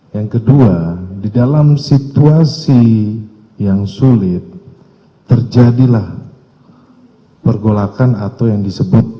yang kedua di dalam situasi yang sulit terjadilah pergolakan atau yang disebut